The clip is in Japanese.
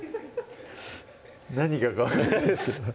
何がか分からないですけど